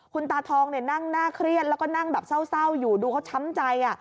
คุณตาทองนั่งน่าเครียดแล้วก็นั่งแบบเศร้าอยู่ดูเขาช้ำใจ